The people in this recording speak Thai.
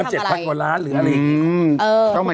หรืออะไรอืมเออเออ